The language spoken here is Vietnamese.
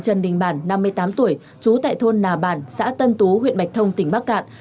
trần đình bản năm mươi tám tuổi trú tại thôn nà bản xã tân tú huyện bạch thông tỉnh bắc cạn